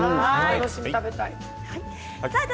楽しみ、食べたい。